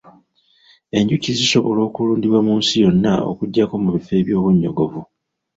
Enjuki zisobola okulundibwa mu nsi yonna okuggyako mu bifo eby'obunnyogovu.